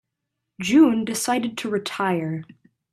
June decided to retire.